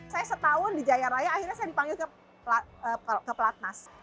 saya setahun di jaya raya akhirnya saya dipanggil ke pelatnas